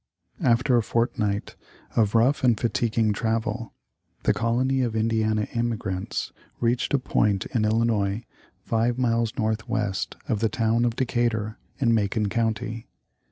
After a fortnight of rough and fatiguing travel the colony of Indiana emigrants reached a point in Illinois five miles north west of the town of Deca tur in Macon county.